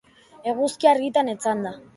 Eguzki-argitan etzanda.